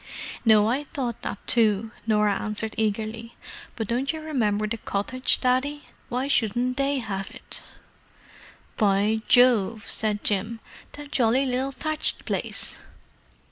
"No, I thought that too," Norah answered eagerly. "But don't you remember the cottage, Daddy? Why shouldn't they have it?" "By Jove!" said Jim. "That jolly little thatched place?"